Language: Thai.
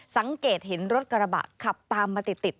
สังเกตเห็นรถกระบะขับตามมาติด